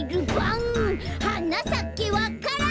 「はなさけわか蘭」